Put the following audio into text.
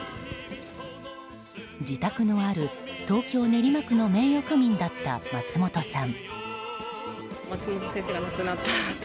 自宅のある東京・練馬区の名誉区民だった松本さん。